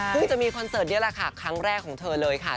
จะมีคอนเสิร์ตนี้แหละค่ะครั้งแรกของเธอเลยค่ะ